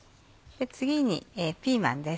次にピーマンです。